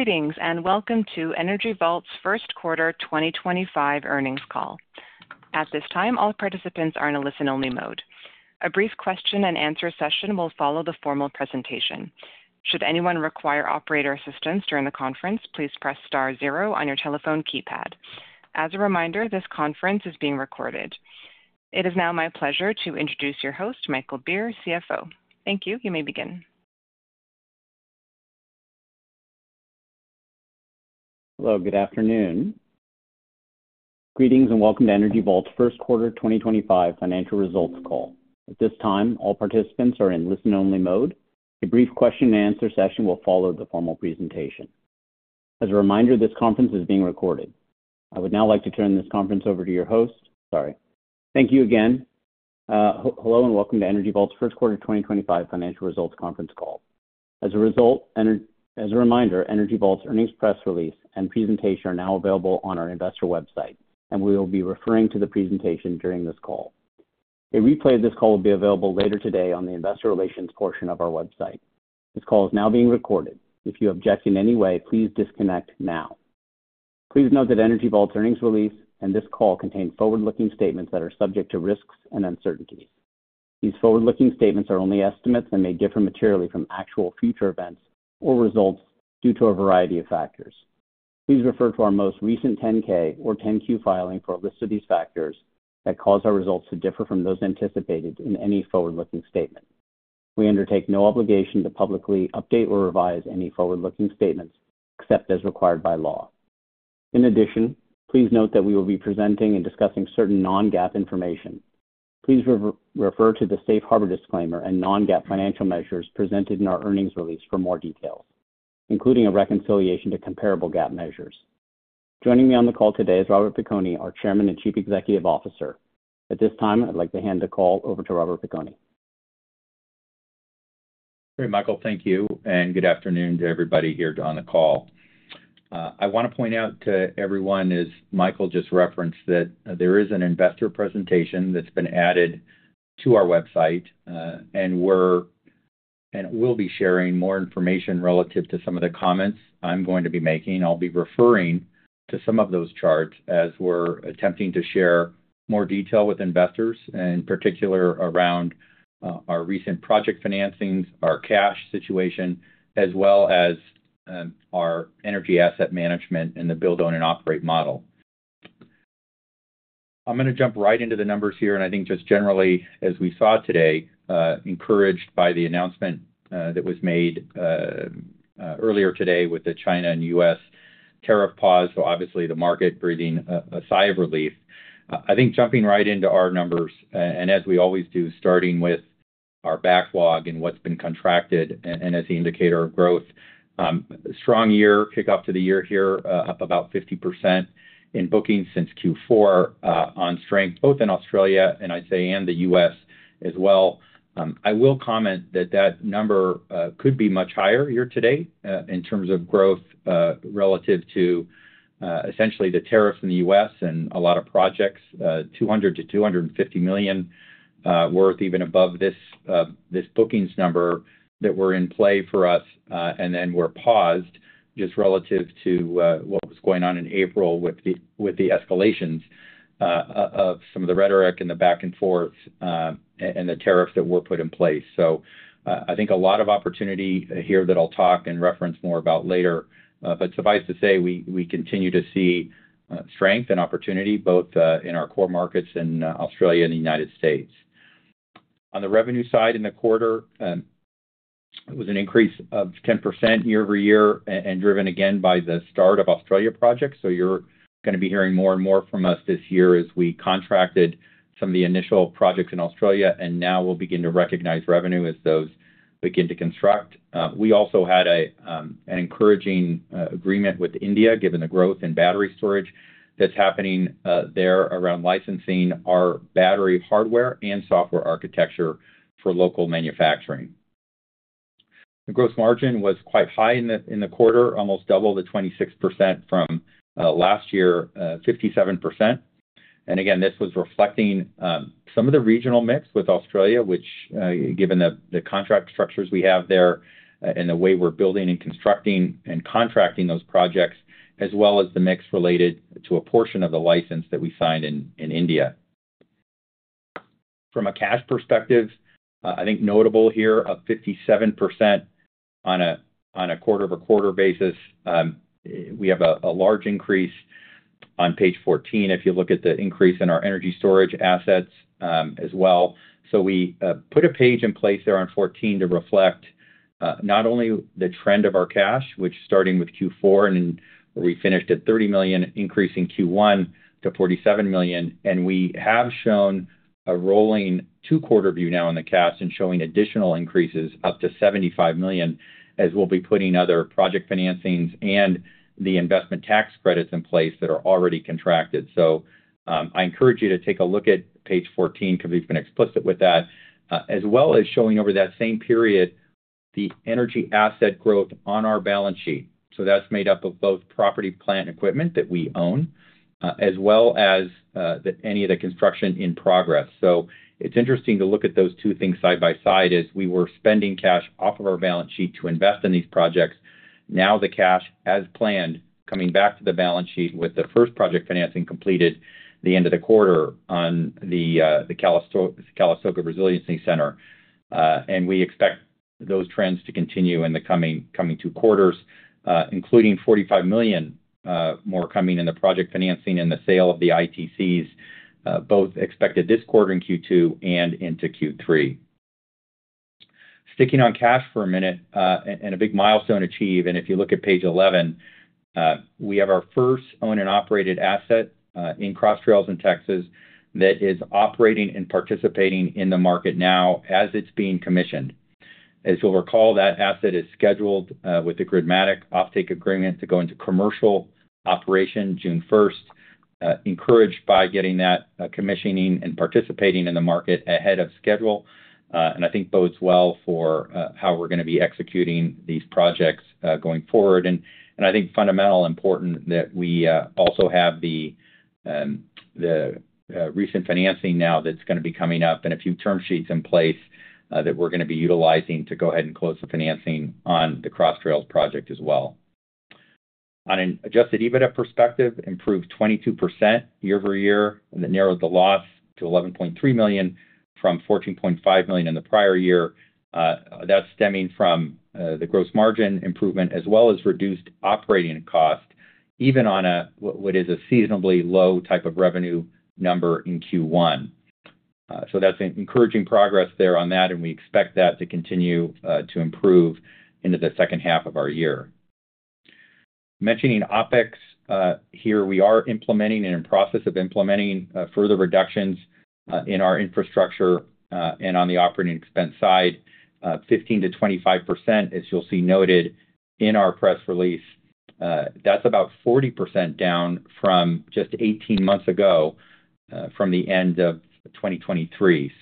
Greetings and welcome to Energy Vault's First Quarter 2025 Earnings Call. At this time, all participants are in a listen-only mode. A brief question and answer session will follow the formal presentation. Should anyone require operator assistance during the conference, please press star zero on your telephone keypad. As a reminder, this conference is being recorded. It is now my pleasure to introduce your host, Michael Beer, CFO. Thank you. You may begin. Hello. Good afternoon. Greetings and welcome to Energy Vault's First Quarter 2025 Financial Results Call. At this time, all participants are in listen-only mode. A brief question and answer session will follow the formal presentation. As a reminder, this conference is being recorded. I would now like to turn this conference over to your host. Sorry. Thank you again. Hello and welcome to Energy Vault's First Quarter 2025 Financial Results Conference Call. As a reminder, Energy Vault's earnings press release and presentation are now available on our investor website, and we will be referring to the presentation during this call. A replay of this call will be available later today on the Investor Relations portion of our website. This call is now being recorded. If you object in any way, please disconnect now. Please note that Energy Vault's earnings release and this call contain forward-looking statements that are subject to risks and uncertainties. These forward-looking statements are only estimates and may differ materially from actual future events or results due to a variety of factors. Please refer to our most recent 10-K or 10-Q filing for a list of these factors that cause our results to differ from those anticipated in any forward-looking statement. We undertake no obligation to publicly update or revise any forward-looking statements except as required by law. In addition, please note that we will be presenting and discussing certain non-GAAP information. Please refer to the safe harbor disclaimer and non-GAAP financial measures presented in our earnings release for more details, including a reconciliation to comparable GAAP measures. Joining me on the call today is Robert Piconi, our Chairman and Chief Executive Officer. At this time, I'd like to hand the call over to Robert Piconi. Great, Michael. Thank you. Good afternoon to everybody here on the call. I want to point out to everyone, as Michael just referenced, that there is an investor presentation that has been added to our website, and we will be sharing more information relative to some of the comments I am going to be making. I will be referring to some of those charts as we are attempting to share more detail with investors, in particular around our recent project financings, our cash situation, as well as our energy asset management and the build, own, and operate model. I am going to jump right into the numbers here, and I think just generally, as we saw today, encouraged by the announcement that was made earlier today with the China and U.S. tariff pause, obviously the market breathing a sigh of relief. I think jumping right into our numbers, and as we always do, starting with our backlog and what's been contracted and as the indicator of growth, strong year kick-off to the year here, up about 50% in bookings since Q4 on strength, both in Australia, and I'd say in the U.S. as well. I will comment that that number could be much higher here today in terms of growth relative to essentially the tariffs in the U.S. and a lot of projects, $200 million-$250 million worth, even above this bookings number that were in play for us, and then were paused just relative to what was going on in April with the escalations of some of the rhetoric and the back and forth and the tariffs that were put in place. I think a lot of opportunity here that I'll talk and reference more about later, but suffice to say, we continue to see strength and opportunity both in our core markets in Australia and the U.S. On the revenue side in the quarter, it was an increase of 10% YoY and driven again by the start of Australia projects. You're going to be hearing more and more from us this year as we contracted some of the initial projects in Australia, and now we'll begin to recognize revenue as those begin to construct. We also had an encouraging agreement with India, given the growth in battery storage that's happening there around licensing our battery hardware and software architecture for local manufacturing. The gross margin was quite high in the quarter, almost double the 26% from last year, 57%. This was reflecting some of the regional mix with Australia, which, given the contract structures we have there and the way we're building and constructing and contracting those projects, as well as the mix related to a portion of the license that we signed in India. From a cash perspective, I think notable here of 57% on a QoQ basis, we have a large increase on page 14 if you look at the increase in our energy storage assets as well. We put a page in place there on 14 to reflect not only the trend of our cash, which starting with Q4 and we finished at $30 million, increasing Q1 to $47 million, and we have shown a rolling two-quarter view now in the cash and showing additional increases up to $75 million as we will be putting other project financings and the investment tax credits in place that are already contracted. I encourage you to take a look at page 14 because we have been explicit with that, as well as showing over that same period the energy asset growth on our balance sheet. That is made up of both property, plant, and equipment that we own, as well as any of the construction in progress. It's interesting to look at those two things side by side as we were spending cash off of our balance sheet to invest in these projects. Now the cash, as planned, coming back to the balance sheet with the first project financing completed the end of the quarter on the Calistoga Resiliency Center. We expect those trends to continue in the coming two quarters, including $45 million more coming in the project financing and the sale of the ITCs, both expected this quarter in Q2 and into Q3. Sticking on cash for a minute and a big milestone achieved, if you look at page 11, we have our first owned and operated asset in Cross Trails in Texas that is operating and participating in the market now as it's being commissioned. As you'll recall, that asset is scheduled with the Gridmatic offtake agreement to go into commercial operation June 1st, encouraged by getting that commissioning and participating in the market ahead of schedule. I think it bodes well for how we're going to be executing these projects going forward. I think fundamentally important that we also have the recent financing now that's going to be coming up and a few term sheets in place that we're going to be utilizing to go ahead and close the financing on the Cross Trails project as well. On an adjusted EBITDA perspective, improved 22% YoY and that narrowed the loss to $11.3 million from $14.5 million in the prior year. That's stemming from the gross margin improvement as well as reduced operating cost, even on what is a seasonably low type of revenue number in Q1. That's encouraging progress there on that, and we expect that to continue to improve into the second half of our year. Mentioning OpEx here, we are implementing and in process of implementing further reductions in our infrastructure and on the operating expense side, 15%-25%, as you'll see noted in our press release. That's about 40% down from just 18 months ago from the end of 2023.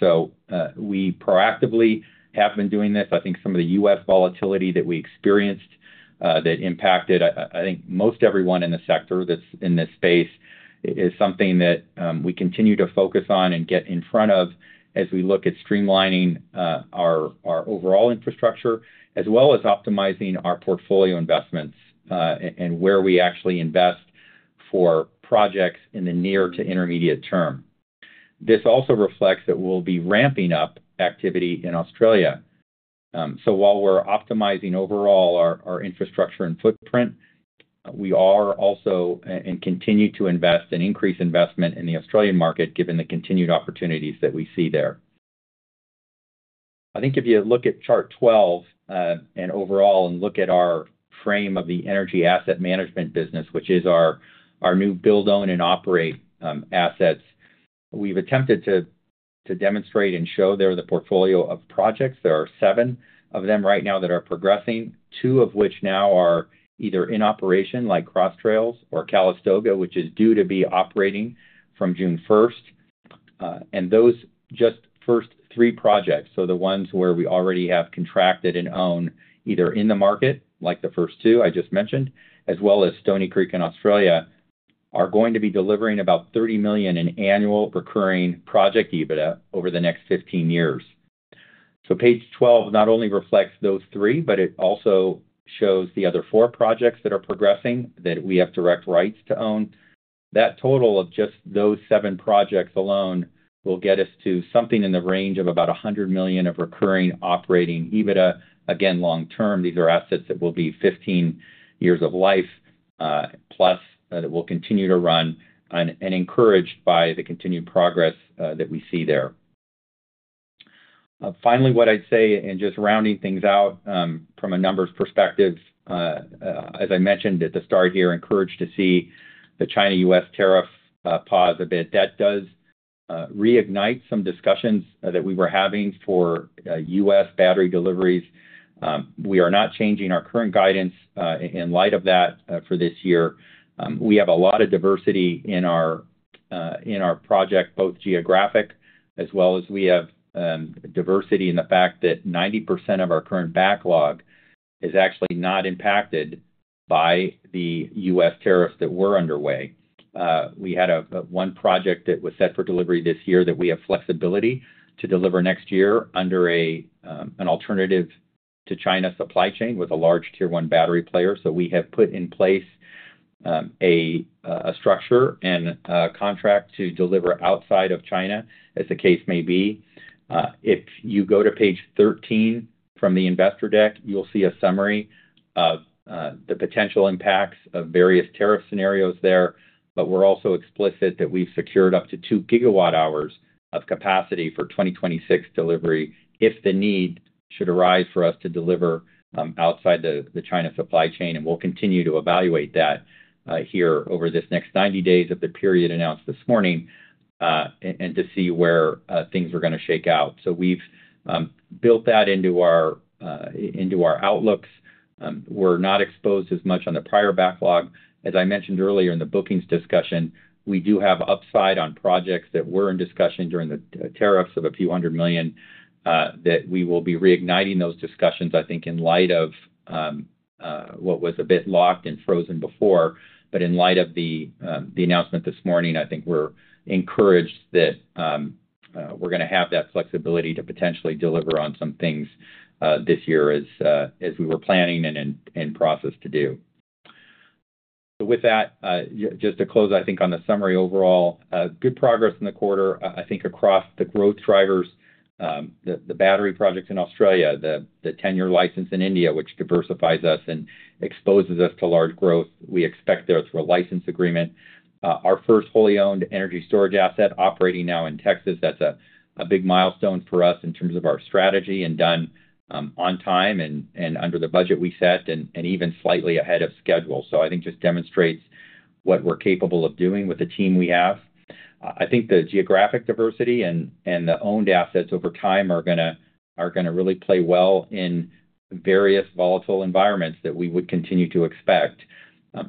We proactively have been doing this. I think some of the U.S. volatility that we experienced that impacted, I think, most everyone in the sector that's in this space is something that we continue to focus on and get in front of as we look at streamlining our overall infrastructure as well as optimizing our portfolio investments and where we actually invest for projects in the near to intermediate term. This also reflects that we'll be ramping up activity in Australia. While we're optimizing overall our infrastructure and footprint, we are also and continue to invest and increase investment in the Australian market given the continued opportunities that we see there. I think if you look at chart 12 and overall and look at our frame of the energy asset management business, which is our new build, own, and operate assets, we've attempted to demonstrate and show there the portfolio of projects. There are seven of them right now that are progressing, two of which now are either in operation like Cross Trails or Calistoga, which is due to be operating from June 1st. Those just first three projects, so the ones where we already have contracted and own either in the market, like the first two I just mentioned, as well as Stoney Creek in Australia, are going to be delivering about $30 million in annual recurring project EBITDA over the next 15 years. Page 12 not only reflects those three, but it also shows the other four projects that are progressing that we have direct rights to own. That total of just those seven projects alone will get us to something in the range of about $100 million of recurring operating EBITDA, again, long term. These are assets that will be 15 years of life plus that will continue to run and encouraged by the continued progress that we see there. Finally, what I'd say, and just rounding things out from a numbers perspective, as I mentioned at the start here, encouraged to see the China-U.S. tariff pause a bit. That does reignite some discussions that we were having for U.S. battery deliveries. We are not changing our current guidance in light of that for this year. We have a lot of diversity in our project, both geographic as well as we have diversity in the fact that 90% of our current backlog is actually not impacted by the U.S. tariffs that were underway. We had one project that was set for delivery this year that we have flexibility to deliver next year under an alternative to China supply chain with a large tier one battery player. We have put in place a structure and contract to deliver outside of China as the case may be. If you go to page 13 from the investor deck, you'll see a summary of the potential impacts of various tariff scenarios there, but we're also explicit that we've secured up to 2 GW hours of capacity for 2026 delivery if the need should arise for us to deliver outside the China supply chain. We'll continue to evaluate that here over this next 90 days of the period announced this morning to see where things are going to shake out. We've built that into our outlooks. We're not exposed as much on the prior backlog. As I mentioned earlier in the bookings discussion, we do have upside on projects that were in discussion during the tariffs of a few hundred million that we will be reigniting those discussions, I think, in light of what was a bit locked and frozen before. In light of the announcement this morning, I think we're encouraged that we're going to have that flexibility to potentially deliver on some things this year as we were planning and in process to do. With that, just to close, I think on the summary overall, good progress in the quarter, I think across the growth drivers, the battery projects in Australia, the 10-year license in India, which diversifies us and exposes us to large growth. We expect there through a license agreement, our first wholly owned energy storage asset operating now in Texas. That's a big milestone for us in terms of our strategy and done on time and under the budget we set and even slightly ahead of schedule. I think it just demonstrates what we're capable of doing with the team we have. I think the geographic diversity and the owned assets over time are going to really play well in various volatile environments that we would continue to expect.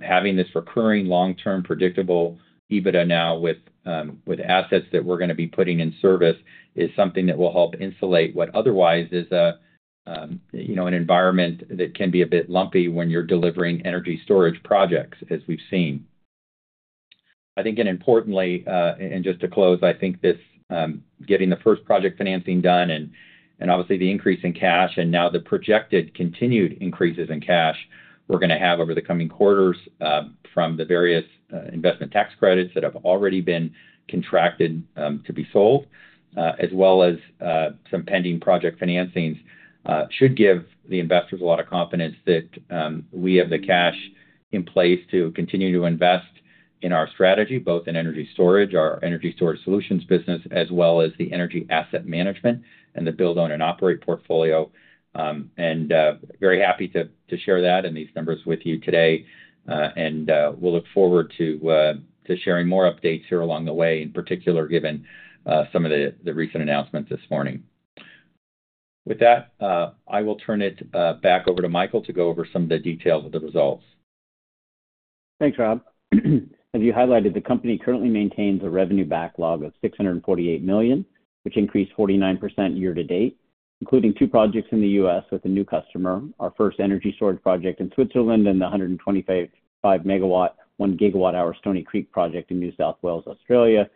Having this recurring long-term predictable EBITDA now with assets that we're going to be putting in service is something that will help insulate what otherwise is an environment that can be a bit lumpy when you're delivering energy storage projects as we've seen. I think importantly, and just to close, I think this getting the first project financing done and obviously the increase in cash and now the projected continued increases in cash we're going to have over the coming quarters from the various investment tax credits that have already been contracted to be sold, as well as some pending project financings, should give the investors a lot of confidence that we have the cash in place to continue to invest in our strategy, both in energy storage, our energy storage solutions business, as well as the energy asset management and the build, own, and operate portfolio. I am very happy to share that and these numbers with you today. I will look forward to sharing more updates here along the way, in particular given some of the recent announcements this morning. With that, I will turn it back over to Michael to go over some of the details of the results. Thanks, Rob. As you highlighted, the company currently maintains a revenue backlog of $648 million, which increased 49% year to date, including two projects in the U.S. with a new customer, our first energy storage project in Switzerland, and the 125-MW, 1-GW hour Stoney Creek project in New South Wales, Australia,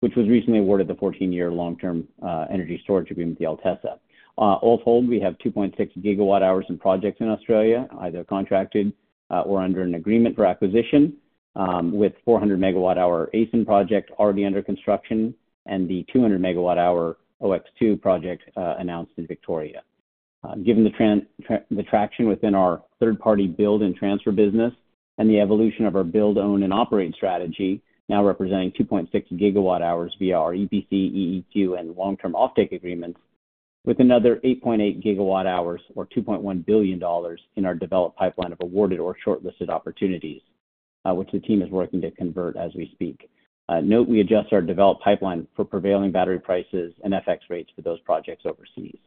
which was recently awarded the 14-year long-term energy storage agreement with the LTESA. All told, we have 2.6 GW hours in projects in Australia, either contracted or under an agreement for acquisition, with the 400-MW hour ACEN project already under construction and the 200-MW hour OX2 project announced in Victoria. Given the traction within our third-party build and transfer business and the evolution of our build, own, and operate strategy, now representing 2.6 GW hours via our EPC, EEQ, and long-term offtake agreements, with another 8.8 GW hours or $2.1 billion in our developed pipeline of awarded or shortlisted opportunities, which the team is working to convert as we speak. Note we adjust our developed pipeline for prevailing battery prices and FX rates for those projects overseas.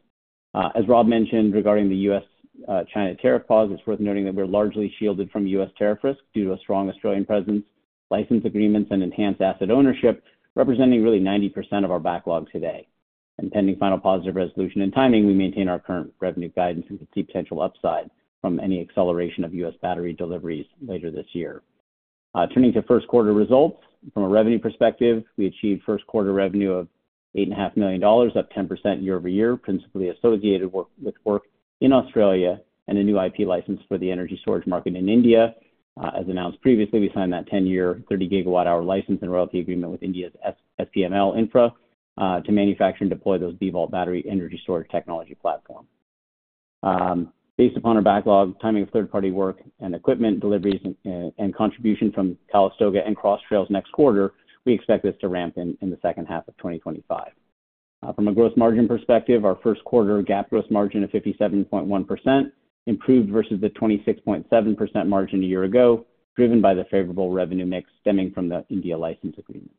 As Rob mentioned regarding the U.S.-China tariff pause, it's worth noting that we're largely shielded from U.S. tariff risk due to a strong Australian presence, license agreements, and enhanced asset ownership representing really 90% of our backlog today. Pending final positive resolution and timing, we maintain our current revenue guidance and could see potential upside from any acceleration of U.S. battery deliveries later this year. Turning to first quarter results, from a revenue perspective, we achieved first quarter revenue of $8.5 million, up 10% YoY, principally associated with work in Australia and a new IP license for the energy storage market in India. As announced previously, we signed that 10-year 30 GW hour license and royalty agreement with India's SPML Infra to manufacture and deploy those B-VAULT battery energy storage technology platforms. Based upon our backlog, timing of third-party work and equipment deliveries and contribution from Calistoga and Cross Trails next quarter, we expect this to ramp in the second half of 2025. From a gross margin perspective, our first quarter GAAP gross margin of 57.1% improved versus the 26.7% margin a year ago, driven by the favorable revenue mix stemming from the India license agreement.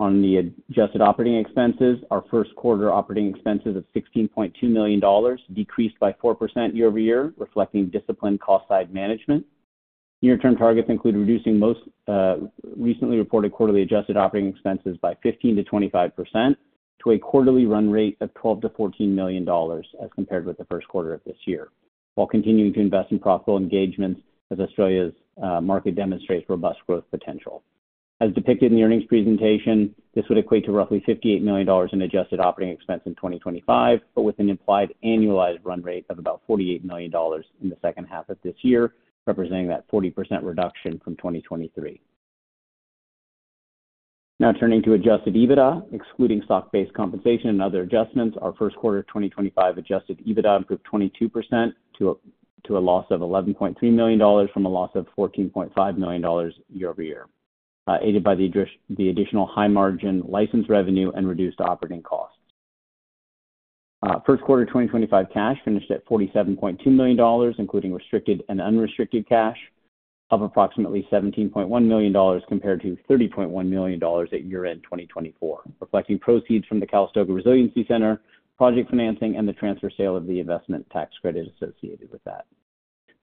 On the adjusted operating expenses, our first quarter operating expenses of $16.2 million decreased by 4% YoY, reflecting disciplined cost-side management. Near-term targets include reducing most recently reported quarterly adjusted operating expenses by 15%-25% to a quarterly run rate of $12 million-$14 million as compared with the first quarter of this year, while continuing to invest in profitable engagements as Australia's market demonstrates robust growth potential. As depicted in the earnings presentation, this would equate to roughly $58 million in adjusted operating expense in 2025, but with an implied annualized run rate of about $48 million in the second half of this year, representing that 40% reduction from 2023. Now turning to adjusted EBITDA, excluding stock-based compensation and other adjustments, our first quarter of 2025 adjusted EBITDA improved 22% to a loss of $11.3 million from a loss of $14.5 million YoY, aided by the additional high-margin license revenue and reduced operating costs. First quarter 2025 cash finished at $47.2 million, including restricted and unrestricted cash of approximately $17.1 million compared to $30.1 million at year-end 2024, reflecting proceeds from the Calistoga Resiliency Center project financing and the transfer sale of the investment tax credit associated with that.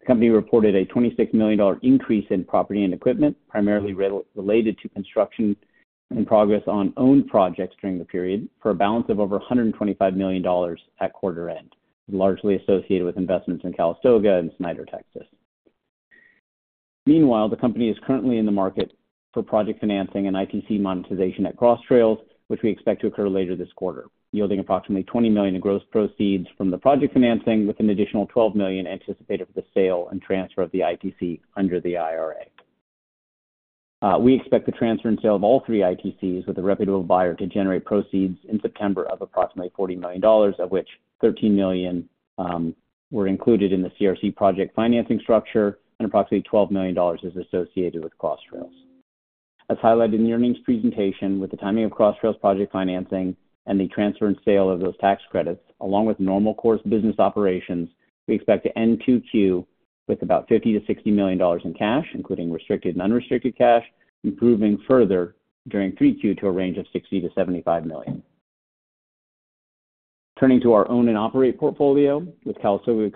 The company reported a $26 million increase in property and equipment, primarily related to construction and progress on owned projects during the period, for a balance of over $125 million at quarter-end, largely associated with investments in Calistoga and Snyder, Texas. Meanwhile, the company is currently in the market for project financing and ITC monetization at Cross Trails, which we expect to occur later this quarter, yielding approximately $20 million in gross proceeds from the project financing, with an additional $12 million anticipated for the sale and transfer of the ITC under the IRA. We expect the transfer and sale of all three IPCs with a reputable buyer to generate proceeds in September of approximately $40 million, of which $13 million were included in the CRC project financing structure and approximately $12 million is associated with Cross Trails. As highlighted in the earnings presentation, with the timing of Cross Trails project financing and the transfer and sale of those tax credits, along with normal course business operations, we expect to end 2Q with about $50 million-$60 million in cash, including restricted and unrestricted cash, improving further during 3Q to a range of $60 million-$75 million. Turning to our own and operate portfolio, with Calistoga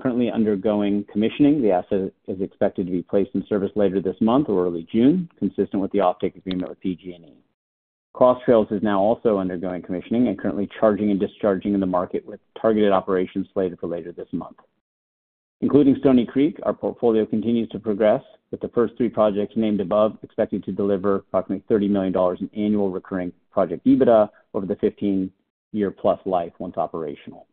currently undergoing commissioning, the asset is expected to be placed in service later this month or early June, consistent with the offtake agreement with PG&E. Cross Trails is now also undergoing commissioning and currently charging and discharging in the market with targeted operations slated for later this month. Including Stoney Creek, our portfolio continues to progress, with the first three projects named above expected to deliver approximately $30 million in annual recurring project EBITDA over the 15-year+ life once operational.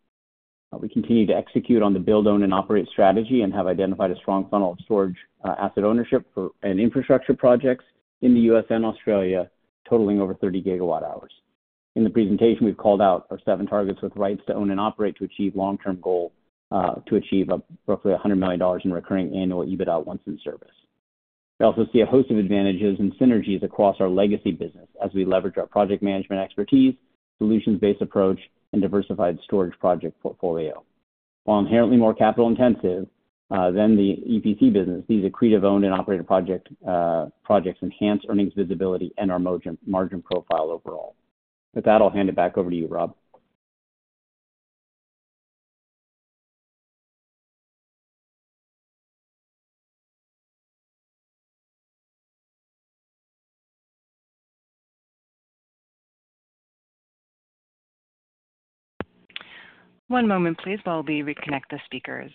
We continue to execute on the build, own, and operate strategy and have identified a strong funnel of storage asset ownership and infrastructure projects in the U.S. and Australia, totaling over 30 GW hours. In the presentation, we've called out our seven targets with rights to own and operate to achieve long-term goal to achieve roughly $100 million in recurring annual EBITDA once in service. We also see a host of advantages and synergies across our legacy business as we leverage our project management expertise, solutions-based approach, and diversified storage project portfolio. While inherently more capital-intensive than the EPC business, these accretive owned and operated projects enhance earnings visibility and our margin profile overall. With that, I'll hand it back over to you, Rob. One moment, please, while we reconnect the speakers.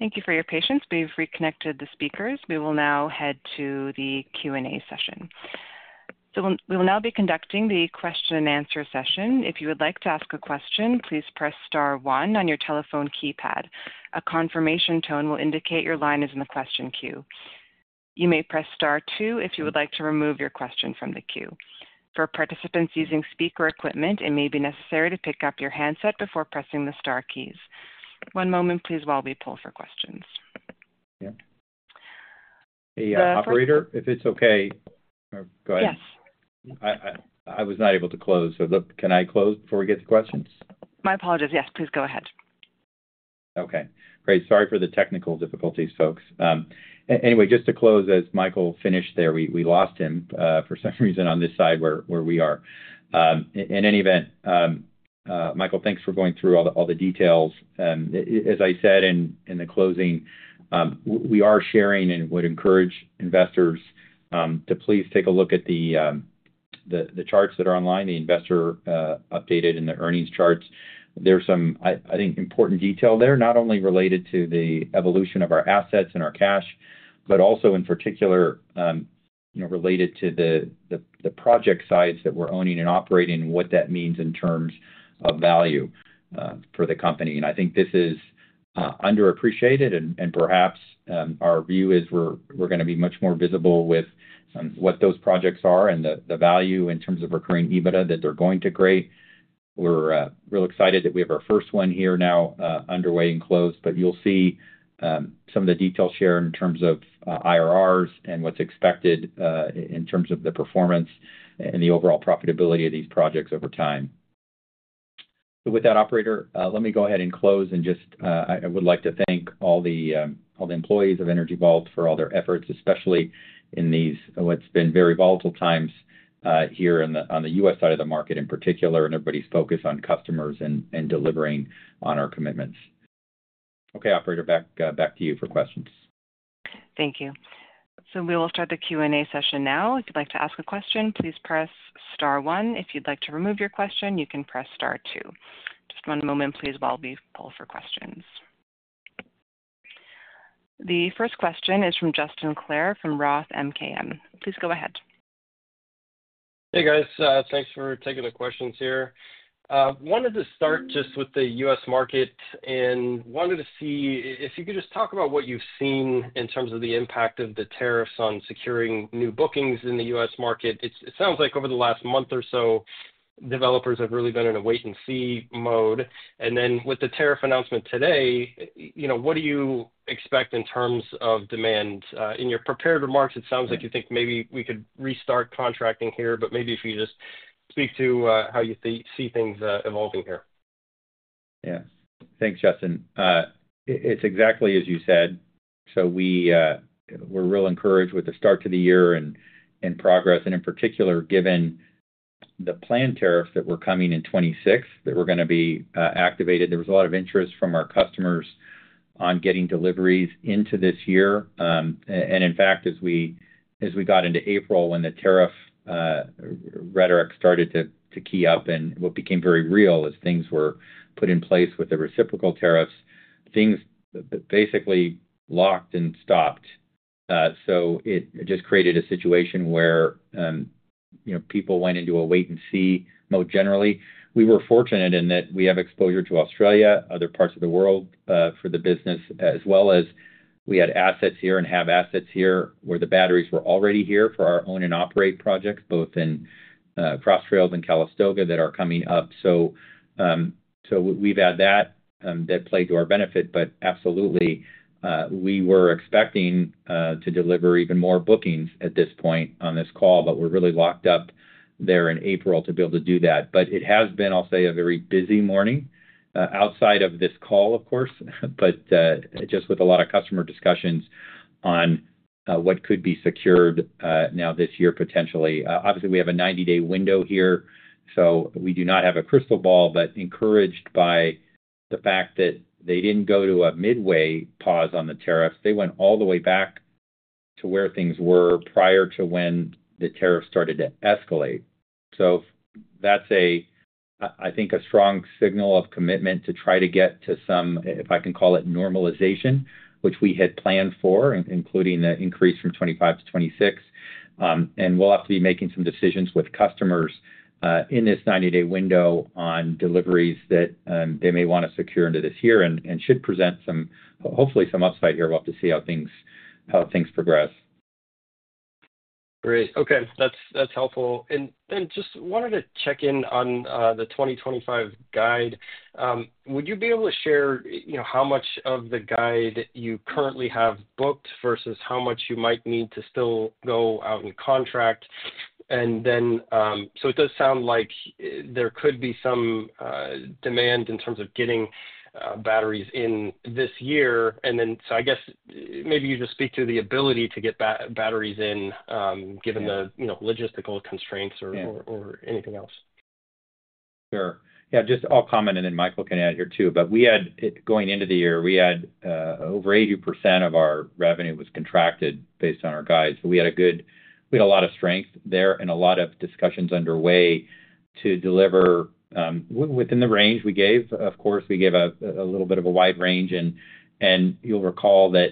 Thank you for your patience. We've reconnected the speakers. We will now head to the Q&A session. We will now be conducting the question and answer session. If you would like to ask a question, please press star one on your telephone keypad. A confirmation tone will indicate your line is in the question queue. You may press star two if you would like to remove your question from the queue. For participants using speaker equipment, it may be necessary to pick up your handset before pressing the star keys. One moment, please, while we pull for questions. Yeah. Hey, operator, if it's okay, go ahead. Yes. I was not able to close. Can I close before we get to questions? My apologies. Yes, please go ahead. Okay. Great. Sorry for the technical difficulties, folks. Anyway, just to close, as Michael finished there, we lost him for some reason on this side where we are. In any event, Michael, thanks for going through all the details. As I said in the closing, we are sharing and would encourage investors to please take a look at the charts that are online, the investor-updated and the earnings charts. There is some, I think, important detail there, not only related to the evolution of our assets and our cash, but also in particular related to the project size that we are owning and operating and what that means in terms of value for the company. I think this is underappreciated, and perhaps our view is we're going to be much more visible with what those projects are and the value in terms of recurring EBITDA that they're going to create. We're real excited that we have our first one here now underway and closed, but you'll see some of the details shared in terms of IRRs and what's expected in terms of the performance and the overall profitability of these projects over time. With that, operator, let me go ahead and close and just I would like to thank all the employees of Energy Vault for all their efforts, especially in these what's been very volatile times here on the U.S. side of the market in particular and everybody's focus on customers and delivering on our commitments. Okay, operator, back to you for questions. Thank you. We will start the Q&A session now. If you'd like to ask a question, please press star one. If you'd like to remove your question, you can press star two. Just one moment, please, while we pull for questions. The first question is from Justin Clare from Roth MKM. Please go ahead. Hey, guys. Thanks for taking the questions here. Wanted to start just with the U.S. market and wanted to see if you could just talk about what you've seen in terms of the impact of the tariffs on securing new bookings in the U.S. market. It sounds like over the last month or so, developers have really been in a wait-and-see mode. With the tariff announcement today, what do you expect in terms of demand? In your prepared remarks, it sounds like you think maybe we could restart contracting here, but maybe if you just speak to how you see things evolving here. Yeah. Thanks, Justin. It's exactly as you said. We're real encouraged with the start to the year and progress, and in particular, given the planned tariffs that were coming in 2026 that were going to be activated. There was a lot of interest from our customers on getting deliveries into this year. In fact, as we got into April when the tariff rhetoric started to key up and what became very real as things were put in place with the reciprocal tariffs, things basically locked and stopped. It just created a situation where people went into a wait-and-see mode generally. We were fortunate in that we have exposure to Australia, other parts of the world for the business, as well as we had assets here and have assets here where the batteries were already here for our own and operate projects, both in Cross Trails and Calistoga that are coming up. We have had that that played to our benefit, but absolutely, we were expecting to deliver even more bookings at this point on this call, but we are really locked up there in April to be able to do that. It has been, I'll say, a very busy morning outside of this call, of course, but just with a lot of customer discussions on what could be secured now this year, potentially. Obviously, we have a 90-day window here, so we do not have a crystal ball, but encouraged by the fact that they did not go to a midway pause on the tariffs. They went all the way back to where things were prior to when the tariffs started to escalate. That is, I think, a strong signal of commitment to try to get to some, if I can call it, normalization, which we had planned for, including the increase from 25% to 26%. We will have to be making some decisions with customers in this 90-day window on deliveries that they may want to secure into this year and should present, hopefully, some upside here. We will have to see how things progress. Great. Okay. That is helpful. Then just wanted to check in on the 2025 guide. Would you be able to share how much of the guide you currently have booked versus how much you might need to still go out and contract? It does sound like there could be some demand in terms of getting batteries in this year. I guess maybe you just speak to the ability to get batteries in given the logistical constraints or anything else. Sure. Yeah. I'll comment, and then Michael can add here too. We had, going into the year, over 80% of our revenue was contracted based on our guide. We had a lot of strength there and a lot of discussions underway to deliver within the range we gave. Of course, we gave a little bit of a wide range. You'll recall that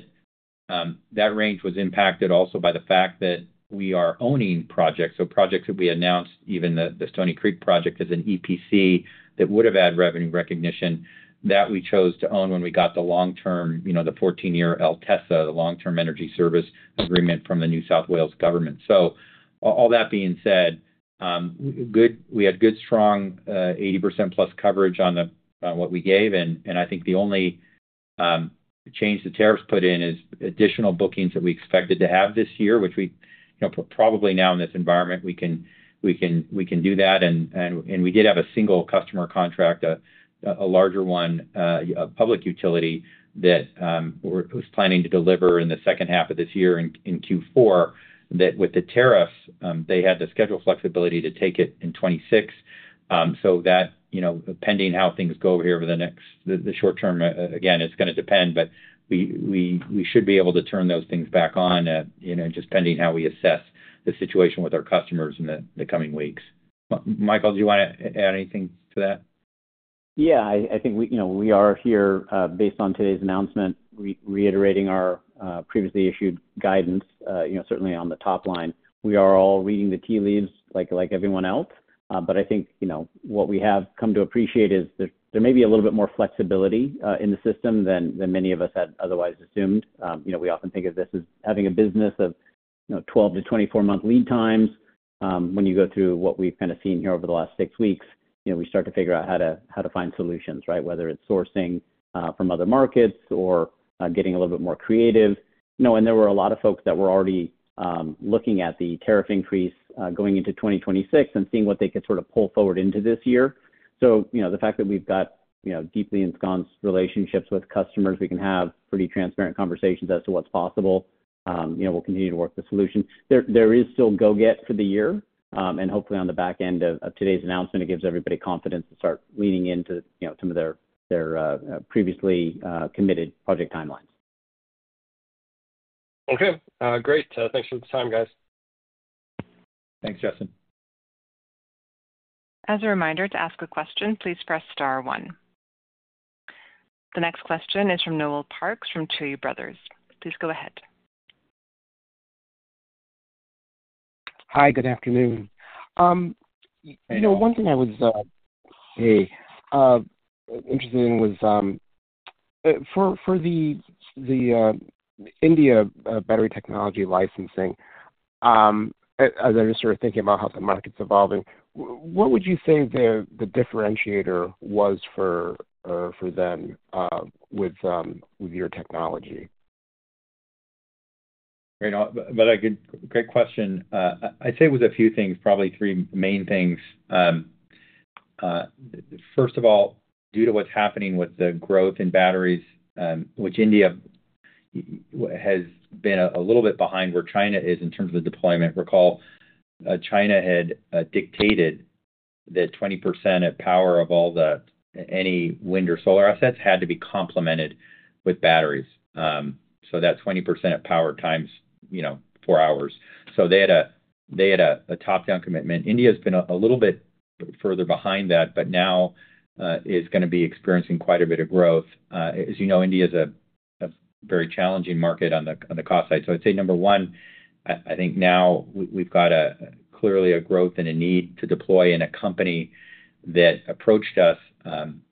that range was impacted also by the fact that we are owning projects. Projects that we announced, even the Stoney Creek project as an EPC that would have had revenue recognition, that we chose to own when we got the long-term, the 14-year LTESA, the Long-Term Energy Service Agreement from the New South Wales government. All that being said, we had good, strong 80%+ coverage on what we gave. I think the only change the tariffs put in is additional bookings that we expected to have this year, which we probably now in this environment, we can do that. We did have a single customer contract, a larger one, a public utility that was planning to deliver in the second half of this year in Q4 that with the tariffs, they had the schedule flexibility to take it in 2026. That, pending how things go here over the next short term, again, it's going to depend, but we should be able to turn those things back on just pending how we assess the situation with our customers in the coming weeks. Michael, do you want to add anything to that? Yeah. I think we are here, based on today's announcement, reiterating our previously issued guidance, certainly on the top line. We are all reading the tea leaves like everyone else. I think what we have come to appreciate is there may be a little bit more flexibility in the system than many of us had otherwise assumed. We often think of this as having a business of 12-24 month lead times. When you go through what we've kind of seen here over the last six weeks, we start to figure out how to find solutions, right? Whether it's sourcing from other markets or getting a little bit more creative. There were a lot of folks that were already looking at the tariff increase going into 2026 and seeing what they could sort of pull forward into this year. The fact that we've got deeply ensconced relationships with customers, we can have pretty transparent conversations as to what's possible. We'll continue to work the solution. There is still go-get for the year. Hopefully, on the back end of today's announcement, it gives everybody confidence to start leaning into some of their previously committed project timelines. Okay. Great. Thanks for the time, guys. Thanks, Justin. As a reminder to ask a question, please press star one. The next question is from Noel Parks from Tuohy Brothers. Please go ahead. Hi. Good afternoon. One thing I was interested in was for the India battery technology licensing, as I was sort of thinking about how the market's evolving, what would you say the differentiator was for them with your technology? Great question. I'd say it was a few things, probably three main things. First of all, due to what's happening with the growth in batteries, which India has been a little bit behind where China is in terms of the deployment. Recall, China had dictated that 20% of power of any wind or solar assets had to be complemented with batteries. So that 20% of power times four hours. They had a top-down commitment. India has been a little bit further behind that, but now is going to be experiencing quite a bit of growth. As you know, India is a very challenging market on the cost side. I'd say number one, I think now we've got clearly a growth and a need to deploy in a company that approached us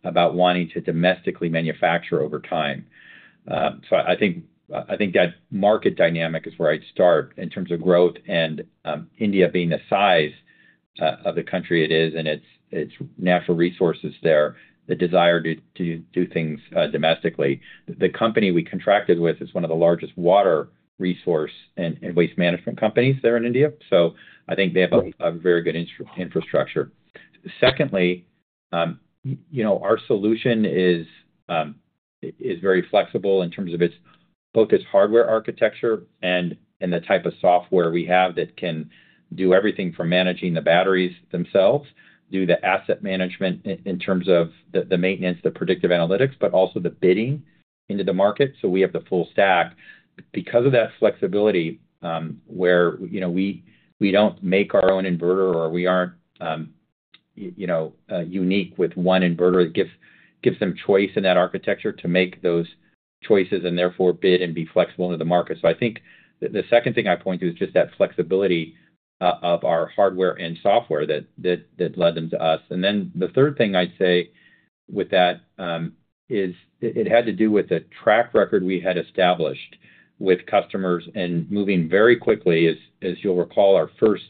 about wanting to domestically manufacture over time. I think that market dynamic is where I'd start in terms of growth and India being the size of the country it is and its natural resources there, the desire to do things domestically. The company we contracted with is one of the largest water resource and waste management companies there in India. I think they have a very good infrastructure. Secondly, our solution is very flexible in terms of both its hardware architecture and the type of software we have that can do everything from managing the batteries themselves, do the asset management in terms of the maintenance, the predictive analytics, but also the bidding into the market. We have the full stack. Because of that flexibility, where we do not make our own inverter or we are not unique with one inverter, it gives them choice in that architecture to make those choices and therefore bid and be flexible into the market. I think the second thing I point to is just that flexibility of our hardware and software that led them to us. The third thing I would say with that is it had to do with the track record we had established with customers and moving very quickly. As you will recall, our first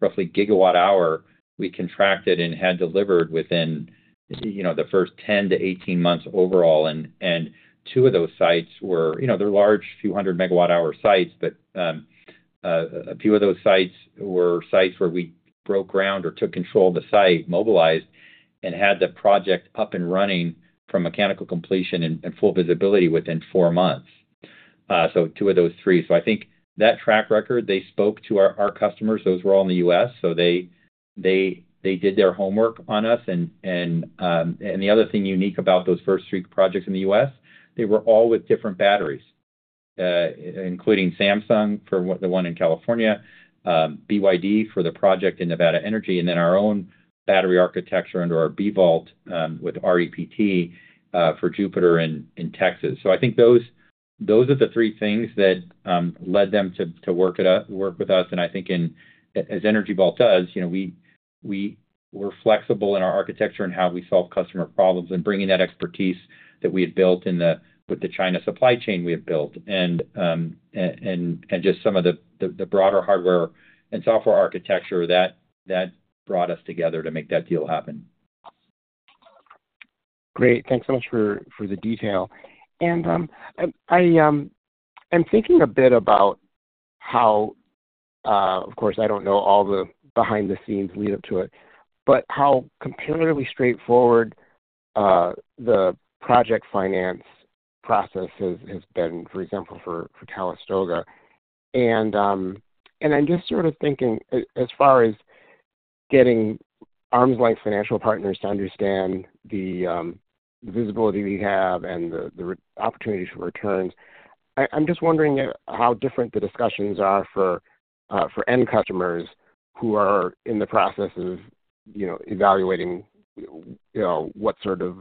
roughly 1 GW hour we contracted and had delivered within the first 10-18 months overall. Two of those sites were large, a few hundred MW hour sites, but a few of those sites were sites where we broke ground or took control of the site, mobilized, and had the project up and running from mechanical completion and full visibility within four months. Two of those three. I think that track record, they spoke to our customers. Those were all in the U.S. They did their homework on us. The other thing unique about those first three projects in the U.S., they were all with different batteries, including Samsung for the one in California, BYD for the project in Nevada Energy, and then our own battery architecture under our B-VAULT with REPT for Jupiter in Texas. I think those are the three things that led them to work with us. I think as Energy Vault does, we were flexible in our architecture and how we solve customer problems and bringing that expertise that we had built with the China supply chain we had built and just some of the broader hardware and software architecture that brought us together to make that deal happen. Great. Thanks so much for the detail. I'm thinking a bit about how, of course, I don't know all the behind-the-scenes lead-up to it, but how comparatively straightforward the project finance process has been, for example, for Calistoga. I'm just sort of thinking, as far as getting arms-length financial partners to understand the visibility we have and the opportunities for returns, I'm just wondering how different the discussions are for end customers who are in the process of evaluating what sort of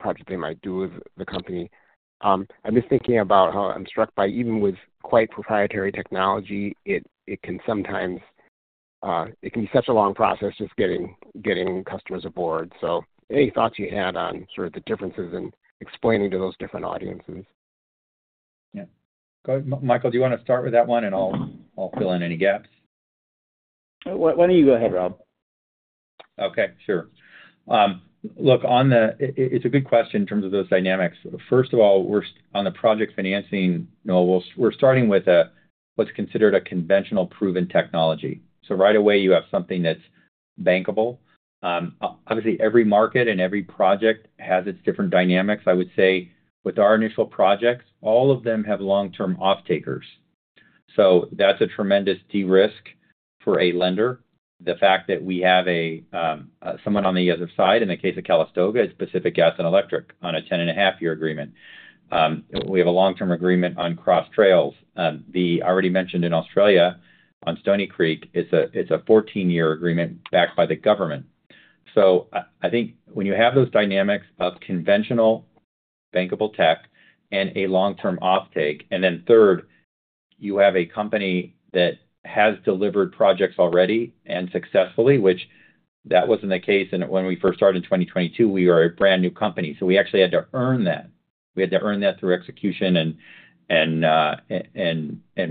project they might do with the company. I'm just thinking about how I'm struck by even with quite proprietary technology, it can sometimes be such a long process just getting customers aboard. So any thoughts you had on sort of the differences in explaining to those different audiences? Yeah. Michael, do you want to start with that one, and I'll fill in any gaps? Why don't you go ahead, Rob? Okay. Sure. Look, it's a good question in terms of those dynamics. First of all, on the project financing, we're starting with what's considered a conventional proven technology. So right away, you have something that's bankable. Obviously, every market and every project has its different dynamics. I would say with our initial projects, all of them have long-term off-takers. So that's a tremendous de-risk for a lender. The fact that we have someone on the other side, in the case of Calistoga, it's Pacific Gas and Electric on a 10-and-a-half-year agreement. We have a long-term agreement on Cross Trails. The already mentioned in Australia on Stoney Creek, it's a 14-year agreement backed by the government. I think when you have those dynamics of conventional bankable tech and a long-term off-take, and then third, you have a company that has delivered projects already and successfully, which that wasn't the case when we first started in 2022. We were a brand new company. We actually had to earn that. We had to earn that through execution and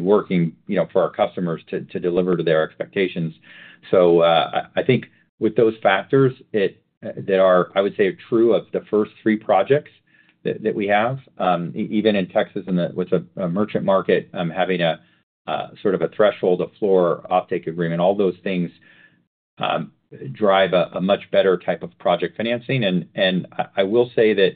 working for our customers to deliver to their expectations. I think with those factors that are, I would say, true of the first three projects that we have, even in Texas with a merchant market having sort of a threshold, a floor off-take agreement, all those things drive a much better type of project financing. I will say that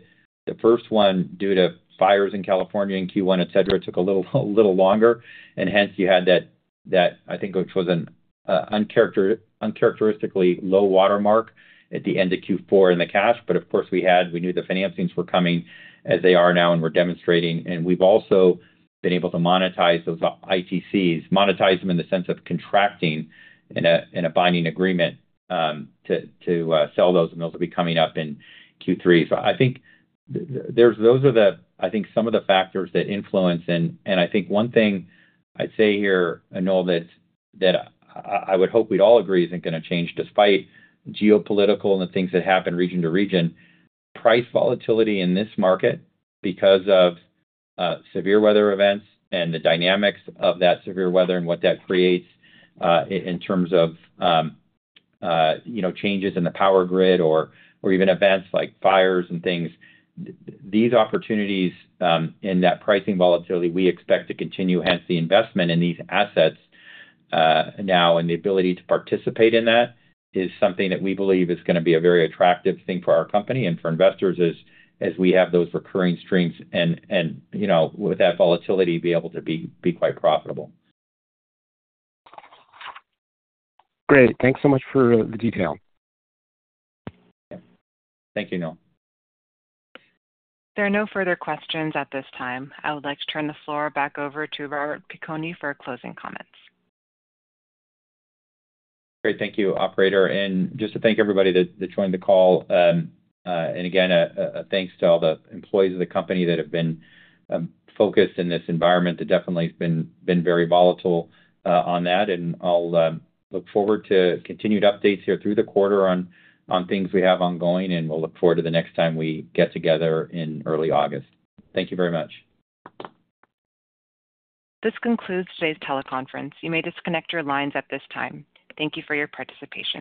the first one, due to fires in California in Q1, etc., took a little longer. Hence, you had that, I think, which was an uncharacteristically low watermark at the end of Q4 in the cash. Of course, we knew the financings were coming as they are now, and we're demonstrating. We've also been able to monetize those ITCs, monetize them in the sense of contracting in a binding agreement to sell those, and those will be coming up in Q3. I think those are the, I think, some of the factors that influence. I think one thing I'd say here, Noel, that I would hope we'd all agree isn't going to change despite geopolitical and the things that happen region to region, the price volatility in this market because of severe weather events and the dynamics of that severe weather and what that creates in terms of changes in the power grid or even events like fires and things. These opportunities in that pricing volatility, we expect to continue. Hence, the investment in these assets now and the ability to participate in that is something that we believe is going to be a very attractive thing for our company and for investors as we have those recurring streams and with that volatility be able to be quite profitable. Great. Thanks so much for the detail. Thank you, Noel. There are no further questions at this time. I would like to turn the floor back over to Robert Piconi for closing comments. Great. Thank you, Operator. And just to thank everybody that joined the call. And again, thanks to all the employees of the company that have been focused in this environment that definitely has been very volatile on that. And I'll look forward to continued updates here through the quarter on things we have ongoing. And we'll look forward to the next time we get together in early August. Thank you very much. This concludes today's teleconference. You may disconnect your lines at this time. Thank you for your participation.